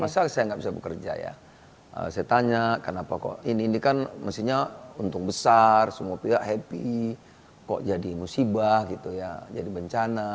masa saya nggak bisa bekerja ya saya tanya kenapa kok ini kan mestinya untung besar semua pihak happy kok jadi musibah gitu ya jadi bencana